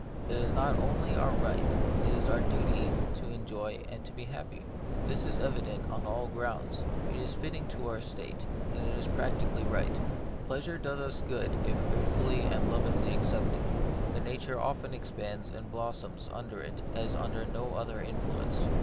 It is not only our right, it is our duty to enjoy and to be happy. This is evident on all grounds. It is fitting to our state, and it is practically right. Pleasure does us good if gratefully and lovingly accepted ; the nature often expands and blossoms under it as under 7 94 The Mystery of Pain. no other influence.